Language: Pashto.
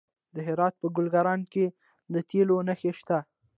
د هرات په ګلران کې د تیلو نښې شته.